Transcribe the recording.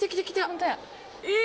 ホントや。